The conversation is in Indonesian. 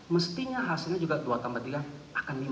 mestinya hasilnya juga dua tiga akan lima